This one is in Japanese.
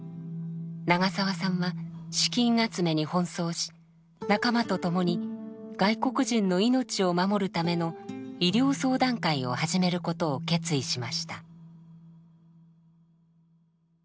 長澤さんは資金集めに奔走し仲間とともに外国人の命を守るための「医療相談会」を始めることを決意しました。